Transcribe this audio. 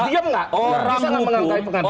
bisa menghargai pengadilan